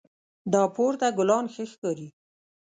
دا پورته ګلان ښه ښکاري